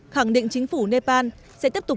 khẳng định chính phủ nepal sẽ tiếp tục